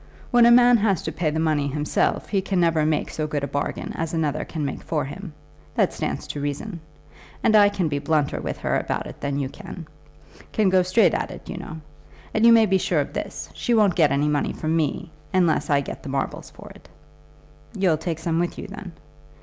When a man has to pay the money himself he can never make so good a bargain as another can make for him. That stands to reason. And I can be blunter with her about it than you can; can go straight at it, you know; and you may be sure of this, she won't get any money from me, unless I get the marbles for it." "You'll take some with you, then?"